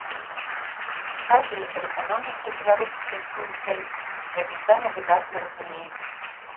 Праўда, я перакананы, што беларускія скульптары гэта і самі выдатна разумеюць.